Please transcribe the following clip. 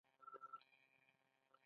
ستا د خوښې رنګ څه دی؟